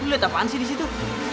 lu lihat apaan sih disitu